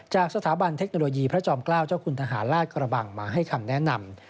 จากสถาบันเทคโนโลยีพระจอมเกล้าเจ้าคุณทหารลาดกระบังมาให้คำแนะนำ